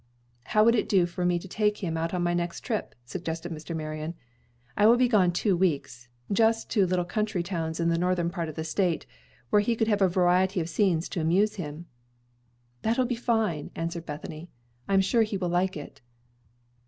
"How would it do for me to take him out on my next trip?" suggested Mr. Marion. "I will be gone two weeks, just to little country towns in the northern part of the State, where he could have a variety of scenes to amuse him." "That will be fine!" answered Bethany. "I'm sure he will like it."